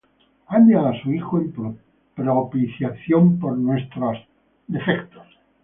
ha enviado á su Hijo en propiciación por nuestros pecados.